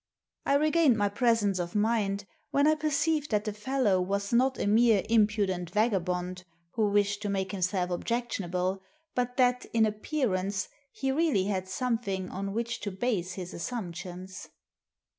I regained my presence of mind when I perceived that the fellow was not a mere impudent vagabond who wished to make himself objectionable, but that, in appearance, he really had something on which to base his assumptions.